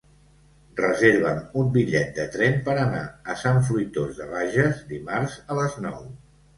Reserva'm un bitllet de tren per anar a Sant Fruitós de Bages dimarts a les nou.